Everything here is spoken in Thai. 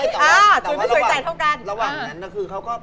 แต่ว่าระหว่างนั้นคือเขาก็